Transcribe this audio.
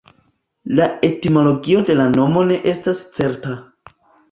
La etimologio de la nomo ne estas certa.